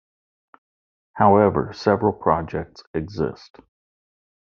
However several projects exist.